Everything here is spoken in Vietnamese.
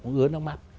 ông ướt nước mắt